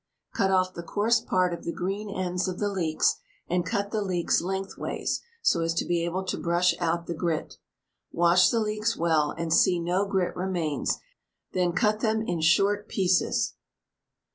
Cut off the coarse part of the green ends of the leeks, and cut the leeks lengthways, so as to be able to brush out the grit. Wash the leeks well, and see no grit remains, then out them in short pieces.